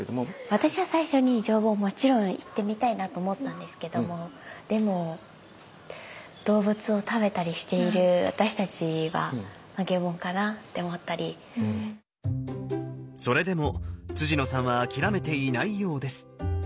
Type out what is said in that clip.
私は最初に上品もちろん行ってみたいなと思ったんですけどもでもそれでも野さんは諦めていないようです。